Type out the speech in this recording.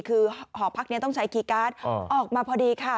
คือหอพักนี้ต้องใช้คีย์การ์ดออกมาพอดีค่ะ